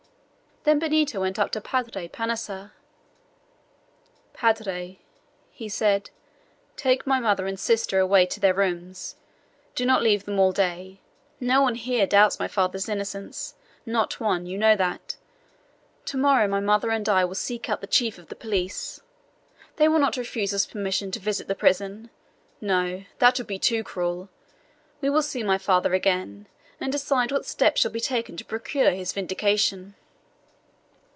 Then Benito went up to Padre Passanha. "Padre," he said, "take my mother and sister away to their rooms. Do not leave them all day. No one here doubts my father's innocence not one, you know that! To morrow my mother and I will seek out the chief of the police. They will not refuse us permission to visit the prison. No! that would be too cruel. We will see my father again, and decide what steps shall be taken to procure his vindication."